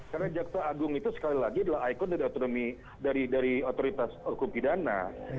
karena jakarta agung itu sekali lagi adalah ikon dari otoritas hukum pidana